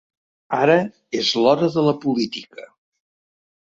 Ara és l’hora de la política.